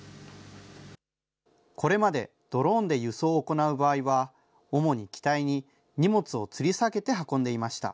これまでドローンで輸送を行う場合は、主に機体に荷物をつり下げて運んでいました。